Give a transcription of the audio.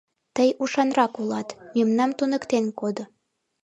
Тый ушанрак улат, мемнам туныктен кодо.